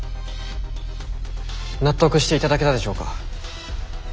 納得していただけたでしょうか。